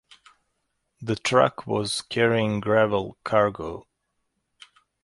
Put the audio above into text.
The truck was carrying gravel cargo.